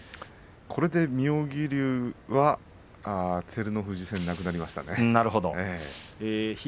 これで妙義龍は照ノ富士戦なくなりましたね。